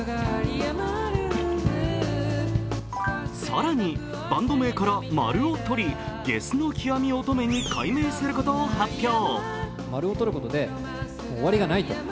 更にバンド名からマルを取りゲスの極み乙女に改名することを発表。